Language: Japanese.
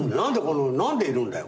「何でいるんだよ」